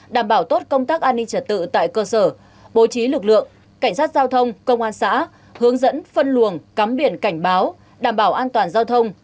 đảm bảo tốt công tác an ninh trật tự tại cơ sở bố trí lực lượng cảnh sát giao thông công an xã hướng dẫn phân luồng cắm biển cảnh báo đảm bảo an toàn giao thông